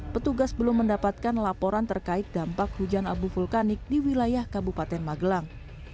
petugas belum mendapatkan laporan terkait dampak hujan abu vulkanik di wilayah kabupaten magelang